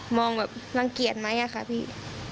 มองแบบรังเกียจไหมอะค่ะพี่